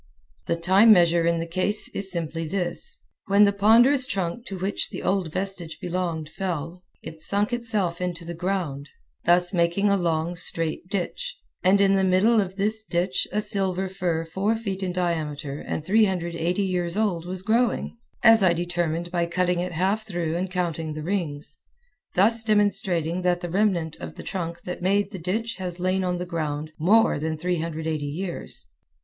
The time measure in the case is simply this: When the ponderous trunk to which the old vestige belonged fell, it sunk itself into the ground, thus making a long, straight ditch, and in the middle of this ditch a silver fir four feet in diameter and 380 years old was growing, as I determined by cutting it half through and counting the rings, thus demonstrating that the remnant of the trunk that made the ditch has lain on the ground more than 380 years.